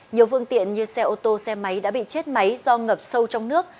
nhiều phương tiện như xe ô tô xe máy đã bị chết máy do ngập sâu trong nước